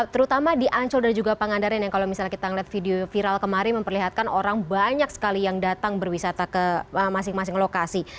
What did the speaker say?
terutama di ancol dan juga pangandaran yang kalau misalnya kita melihat video viral kemarin memperlihatkan orang banyak sekali yang datang berwisata ke masing masing lokasi